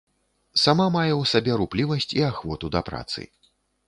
Сама мае ў сабе руплівасць і ахвоту да працы.